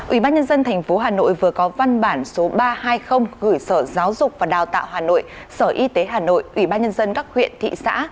ủy ban nhân dân tp hà nội vừa có văn bản số ba trăm hai mươi gửi sở giáo dục và đào tạo hà nội sở y tế hà nội ủy ban nhân dân các huyện thị xã